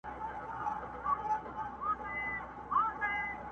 ستا د کتاب د ښوونځیو وطن!